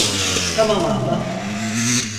Tamam ahbap.